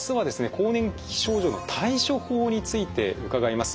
更年期症状の対処法について伺います。